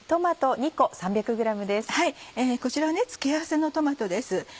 こちらは付け合わせのトマトです。